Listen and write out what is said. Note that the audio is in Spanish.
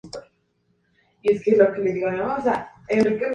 Así mismo puede ser encontrado en frutas como la manzana y la ciruela.